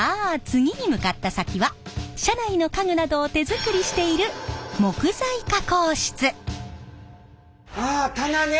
次に向かった先は車内の家具などを手作りしているああ棚ね！